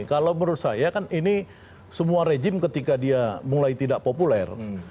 kalau menurut saya kan ini semua rejim ketika dia mulai tidak populer